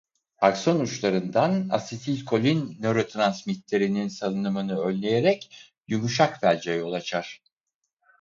Akson uçlarından asetilkolin nörotransmiterinin salınımını önleyerek yumuşak felce yol açar.